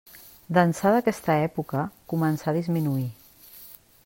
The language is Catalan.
D'ençà d'aquesta època, començà a disminuir.